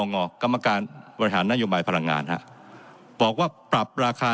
งอกรรมการบริหารนโยบายพลังงานฮะบอกว่าปรับราคา